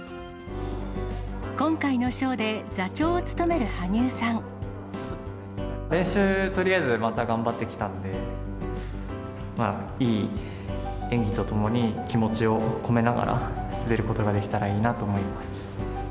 今回のショーで座長を務める練習、とりあえずまた頑張ってきたんで、いい演技とともに気持ちを込めながら、滑ることができたらいいなと思います。